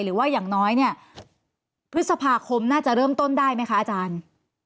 หรือว่าอย่างน้อยเนี่ยพฤษภาคมน่าจะเริ่มต้นได้ไหมคะอาจารย์